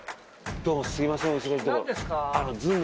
どうもすいません。